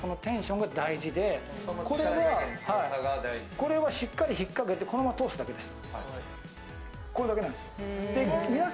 これはしっかり引っ張ってこのまま通すだけなんです。